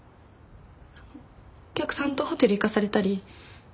お客さんとホテル行かされたり。